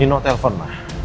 nino telfon mah